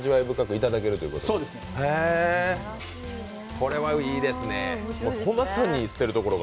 これはいいですね。